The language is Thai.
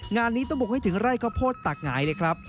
งานนี้ต้องบุกให้ถึงไร่ข้าวโพดตักหงายเลยครับ